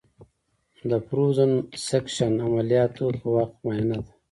د فروزن سیکشن عملیاتو په وخت معاینه ده.